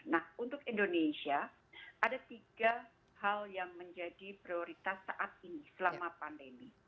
nah untuk indonesia ada tiga hal yang menjadi prioritas saat ini selama pandemi